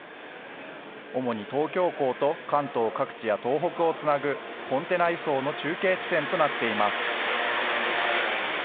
主に東京港と関東各地や東北をつなぐ、コンテナ輸送の中継地点となっています。